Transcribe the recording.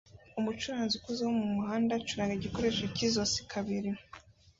Umucuranzi ukuze wo mumuhanda acuranga igikoresho cyizosi kabiri